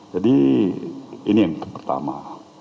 jadi ini yang pertama